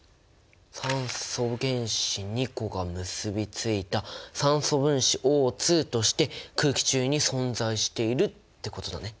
酸素原子２個が結びついた酸素分子Ｏとして空気中に存在しているってことだね！